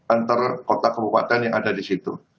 antar kota kebupatan yang ada di situ